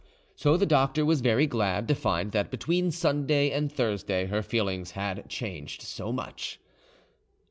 So the doctor was very glad to find that between Sunday and Thursday her feelings had changed so much.